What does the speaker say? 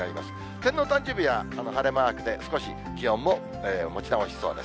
天皇誕生日は晴れマークで、少し気温も持ち直しそうです。